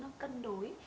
nó cân đối